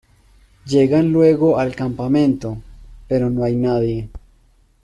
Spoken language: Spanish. Llegan luego al campamento, pero no hay nadie.